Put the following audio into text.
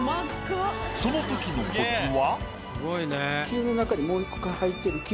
そのときのコツは？